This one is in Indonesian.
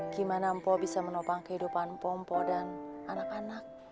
gimana mpok bisa menopang kehidupan mpok mpok dan anak anak